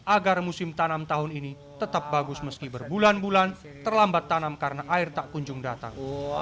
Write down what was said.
agar musim tanam tahun ini tetap bagus meski berbulan bulan terlambat tanam karena air tak kunjung datang